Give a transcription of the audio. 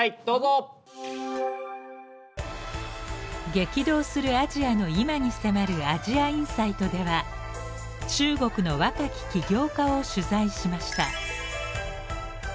激動するアジアの今に迫る「ＡｓｉａＩｎｓｉｇｈｔ」では中国の若き起業家を取材しました。